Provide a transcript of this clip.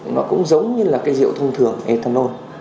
nó cũng giống như là cái rượu thông thường ethanol